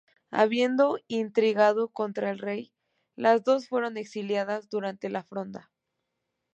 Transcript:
Habiendo intrigado contra el rey las dos fueron exiliadas durante la Fronda.